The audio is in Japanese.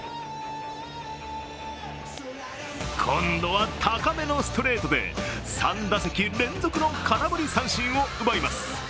今度は高めのストレートで３打席連続の空振り三振を奪います